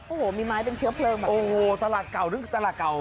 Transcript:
โอ้โหมีไม้เป็นเชื้อเพลิงแบบนี้โอ้โหตลาดเก่าหรือตลาดเก่า